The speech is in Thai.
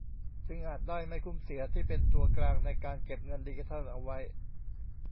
จึงอาจได้ไม่คุ้มเสีย ที่เป็นตัวกลางในการเก็บเงินดิจิทัลเอาไว้